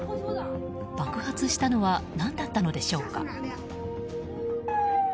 爆発したのは何だったのでしょうか。